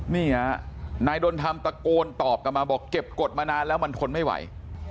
นี่ฮะนายดนธรรมตะโกนตอบกลับมาบอกเก็บกฎมานานแล้วมันทนไม่ไหว